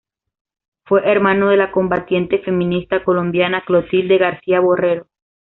Fue hermano de la combatiente feminista colombiana Clotilde García Borrero.